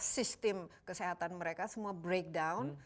sistem kesehatan mereka semua breakdown